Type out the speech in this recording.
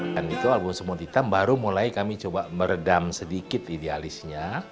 dan itu album semua titam baru mulai kami coba meredam sedikit idealisnya